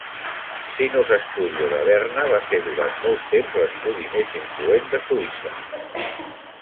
Sinus Studio de Berna va ser durant molts temps l'estudi més influent de Suïssa.